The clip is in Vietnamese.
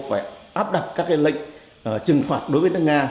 phải áp đặt các lệnh trừng phạt đối với nước nga